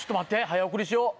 早送りしよう